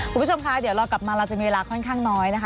คุณผู้ชมคะเดี๋ยวเรากลับมาเราจะมีเวลาค่อนข้างน้อยนะคะ